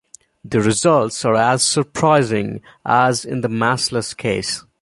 The results are as surprising as in the massless case.